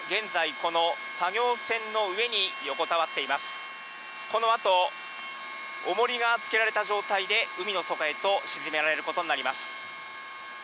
このあと、おもりがつけられた状態で、海の底へと沈められることになります。